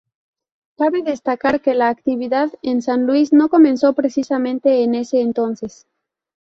Cabe destacar que la actividad en San Luis no comenzó precisamente en ese entonces.